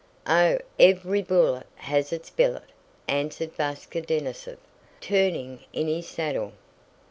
"Oh, every bullet has its billet," answered Váska Denísov, turning in his saddle.